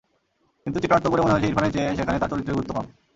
কিন্তু চিত্রনাট্য পড়ে মনে হয়েছে ইরফানের চেয়ে সেখানে তাঁর চরিত্রের গুরুত্ব কম।